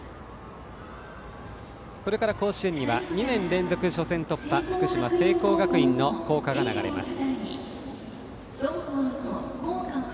これから甲子園には２年連続初戦突破福島・聖光学院の校歌が流れます。